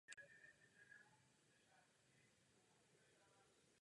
Státy se přijetím úmluvy zavazují odstranit nucenou nebo povinnou práci ve všech formách.